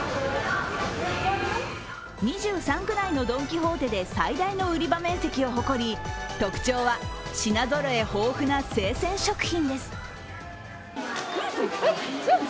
２３区内のドン・キホーテで最大の売り場面積を誇り特徴は品ぞろえ豊富な生鮮食品です。